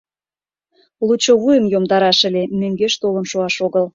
Лучо вуйым йомдараш ыле, мӧҥгеш толын шуаш огыл.